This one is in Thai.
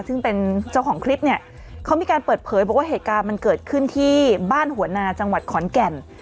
ซึ่งเป็นเจ้าของคลิปเนี่ยเขามีการเปิดเผยบอกว่าเหตุการณ์มันเกิดขึ้นที่บ้านหัวนาจังหวัดขอนแก่น